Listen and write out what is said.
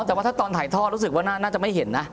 แต่ว่าถ้าตอนถ่ายท่อรู้สึกว่าน่าจะไม่เห็นนะ